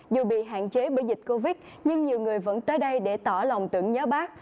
dù bị hạn chế bởi dịch covid nhưng nhiều người vẫn tới đây để tỏ lòng tưởng nhớ bác